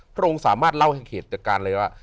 พระองค์สามารถเล่าให้เขตกันเลยว่า